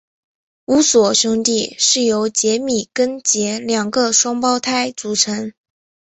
乌索兄弟是由吉米跟杰两个双胞胎组成。